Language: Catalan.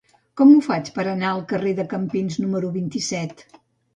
Com ho faig per anar al carrer de Campins número vint-i-set?